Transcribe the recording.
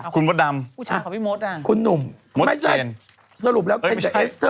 คุณมดดำคุณหนุ่มไม่ใช่สรุปแล้วเคนกับเอสเตอร์